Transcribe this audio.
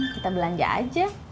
kita belanja aja